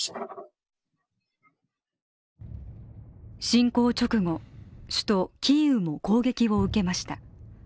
侵攻直後、首都キーウも攻撃を受けました。